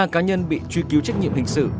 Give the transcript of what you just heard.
ba cá nhân bị truy cứu trách nhiệm hình sự